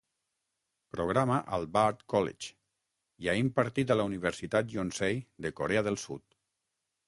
Programa al Bard College i ha impartit a la Universitat Yonsei de Corea del Sud.